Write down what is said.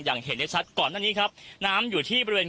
อย่างเห็นได้ชัดก่อนหน้านี้ครับน้ำอยู่ที่บริเวณ